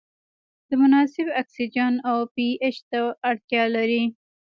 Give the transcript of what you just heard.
د مناسب اکسیجن او پي اچ ته اړتیا لري.